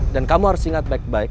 dan kamu harus ingat baik baik